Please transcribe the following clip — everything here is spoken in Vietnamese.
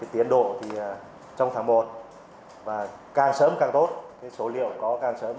tiến độ trong tháng một càng sớm càng tốt số liệu có càng sớm